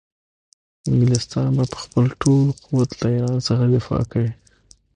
انګلستان به په خپل ټول قوت له ایران څخه دفاع کوي.